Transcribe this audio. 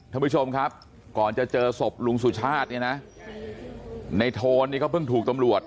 ท่านผู้ชมครับก่อนจะเจอศพลุงสุชาติเนี่ยนะในโทนนี่ก็เพิ่งถูกตำรวจ